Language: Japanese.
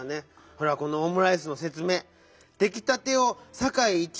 ほらこの「オムライス」のせつめい。